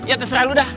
ya terserah lu dah